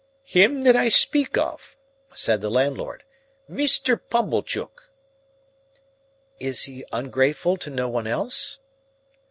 "Him that I speak of," said the landlord. "Mr. Pumblechook." "Is he ungrateful to no one else?"